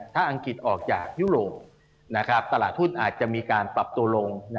ถ้าอังกฤษออกจากยุโรปตลาดทุนอาจจะมีการปรับตัวลง